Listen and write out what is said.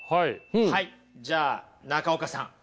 じゃあ中岡さん